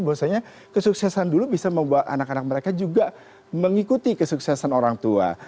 bahwasanya kesuksesan dulu bisa membuat anak anak mereka juga mengikuti kesuksesan orang tua